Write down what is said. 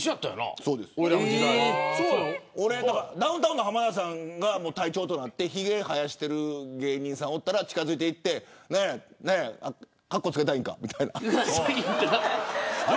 ダウンタウンの浜田さんが隊長となってひげを生やしている芸人さんがいたら近づいてなんや、かっこつけたいんかみたいな。